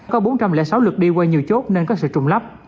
có bốn trăm linh sáu lượt đi qua nhiều chốt nên có sự trùng lắp